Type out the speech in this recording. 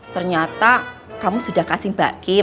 ternyata kamu sudah kasih mbak kib